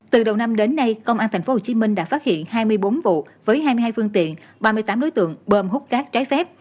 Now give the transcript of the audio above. từ đầu năm đến nay công an tp hcm đã phát hiện hai mươi bốn vụ với hai mươi hai phương tiện ba mươi tám đối tượng bơm hút cát trái phép